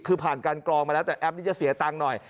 คือผ่านการกรองมาแล้วแต่แอปนี้จะเสียตังค์หน่อย